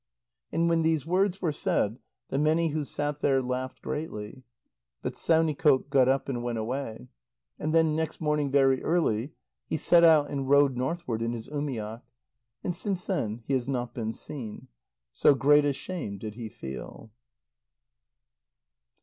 And when these words were said, the many who sat there laughed greatly. But Saunikoq got up and went away. And then next morning very early, he set out and rowed northward in his umiak. And since then he has not been seen. So great a shame did he feel.